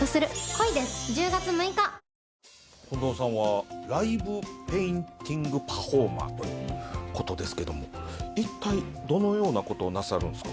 近藤さんはライブペインティングパフォーマーということですけども一体どのようなことをなさるんですか？